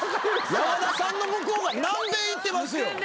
山田さんの向こう側南米行ってる。